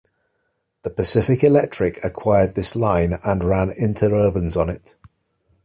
The Pacific Electric acquired this line and ran interurbans on it.